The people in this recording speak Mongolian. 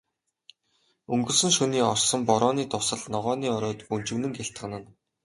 Өнгөрсөн шөнийн орсон борооны дусал ногооны оройд бөнжгөнөн гялтганана.